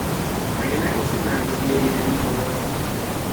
مگه نگفتی مردا گریه نمیکنن؟